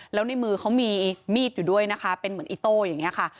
แล้วในมือเขามีมีดอยู่ด้วยนะคะเป็นเหมือนอิโต้อย่างนี้ค่ะ